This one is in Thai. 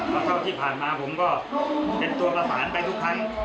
แล้วก็ที่ผ่านมาผมก็เป็นตัวประสานไปทุกครั้ง